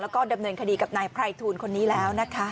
แล้วก็ดำเนินคดีกับนายไพรทูลคนนี้แล้วนะคะ